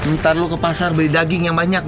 ntar lu ke pasar beli daging yang banyak